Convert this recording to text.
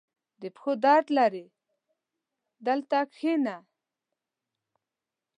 • د پښو درد لرې؟ دلته کښېنه.